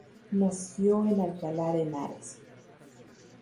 Nació en Alcalá de Henares.